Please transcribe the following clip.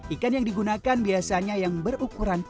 ikan yang digunakan biasanya yang berukuran kecil